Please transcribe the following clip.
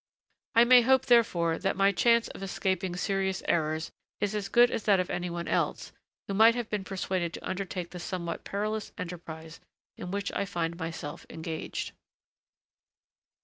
I may hope, therefore, that my chance of escaping serious errors is as good as that of anyone else, who might have been persuaded to undertake the somewhat perilous enterprise in which I find myself engaged.